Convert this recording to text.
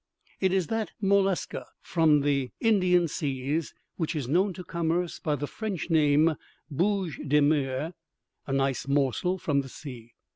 "It is that mollusca from the Indian Seas which is known to commerce by the French name bouche de mer (a nice morsel from the sea).